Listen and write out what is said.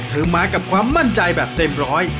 หรือมากับความมั่นใจแบบเต็มร้อย